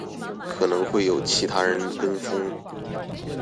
可能會有其他人跟風